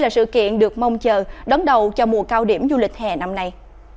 là sự kiện được mong chờ đón đầu cho mùa cao điểm du lịch hè năm nay